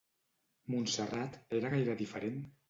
Montserrat era gaire diferent?